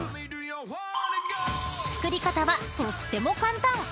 ［作り方はとっても簡単！］